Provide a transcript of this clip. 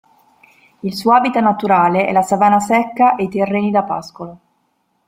Il suo habitat naturale è la savana secca e i terreni da pascolo.